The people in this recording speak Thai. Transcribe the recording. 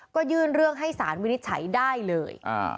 ก็ยื่นเรื่องให้สารวินิจฉัยได้เลย